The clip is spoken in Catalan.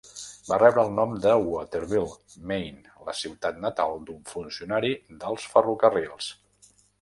Va rebre el nom per Waterville, Maine, la ciutat natal d'un funcionari dels ferrocarrils.